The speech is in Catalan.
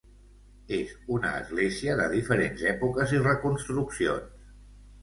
És una església de diferents èpoques i reconstruccions.